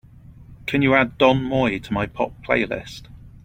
Can you add don moye to my Pop playlist?